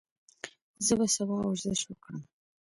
زه به سبا ورزش وکړم.